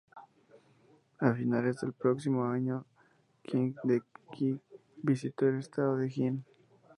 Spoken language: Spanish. A finales del próximo año, Qing de Qi visitó el estado Jin.